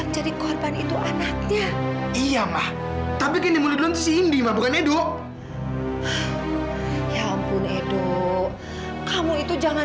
jangan sampai kamu menyesal nanti